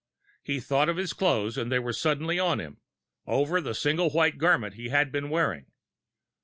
He thought of his clothes, and they were suddenly on him, over the single white garment he had been wearing.